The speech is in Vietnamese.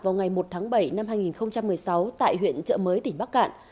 vào ngày một tháng bảy năm hai nghìn một mươi sáu tại huyện trợ mới tỉnh bắc cạn